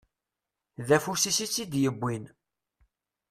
D afus-is i tt-id-yewwin.